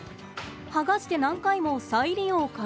剥がして何回も再利用可能。